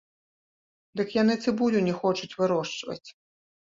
Дык яны цыбулю не хочуць вырошчваць!